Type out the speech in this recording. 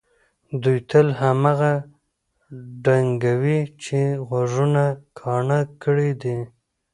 دوی تل هماغه ډنګوي چې غوږونه کاڼه کړي دي.